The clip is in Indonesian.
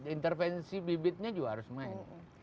intervensi bibitnya juga harus main